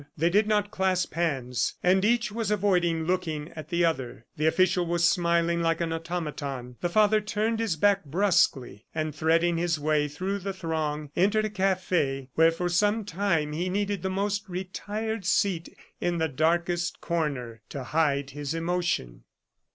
They did not clasp hands, and each was avoiding looking at the other. The official was smiling like an automaton. The father turned his back brusquely, and threading his way through the throng, entered a cafe, where for some time he needed the most retired seat in the darkest earner to hide his emotion.